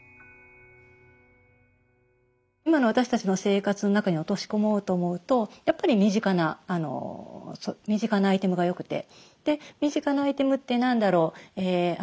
今の私たちの生活の中に落とし込もうと思うとやっぱり身近なアイテムがよくてで身近なアイテムって何だろう。